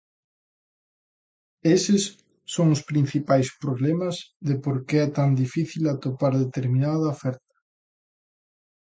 Eses son os principais problemas de por que é tan difícil atopar determinada oferta.